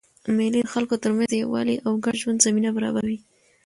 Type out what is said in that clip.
مېلې د خلکو ترمنځ د یووالي او ګډ ژوند زمینه برابروي.